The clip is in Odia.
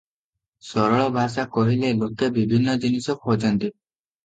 ସରଳ ଭାଷା କହିଲେ ଲୋକେ ବିଭିନ୍ନ ଜିନିଷ ଖୋଜନ୍ତି ।